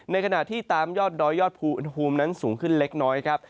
ในขณะที่ตามยอดดอยยอดภูอุณหภูมินั้นสูงขึ้นเล็กน้อยครับ